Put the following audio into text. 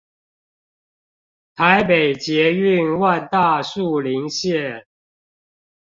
台北捷運萬大樹林線